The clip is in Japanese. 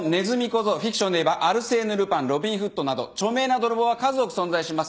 フィクションでいえばアルセーヌ・ルパンロビン・フッドなど著名な泥棒は数多く存在します。